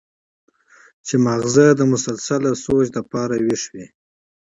چې مازغه د مسلسل سوچ د پاره وېخ وي